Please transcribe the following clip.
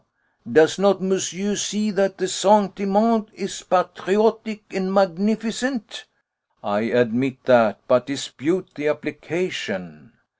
Does not monsieur see that the sentiment is patriotic and magnificent?" "I admit that, but dispute the application."